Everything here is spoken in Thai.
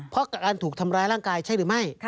เพราะการถูกทำร้ายร่างกายใช่หรือไม่